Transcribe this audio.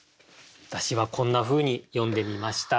私はこんなふうに詠んでみました。